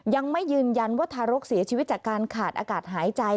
ยังไม่ยืนยันว่าทารกเสียชีวิตจากการขาดอากาศหายใจ